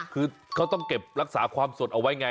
คือเขาต้องเก็บรักษาความสดเอาไว้ไง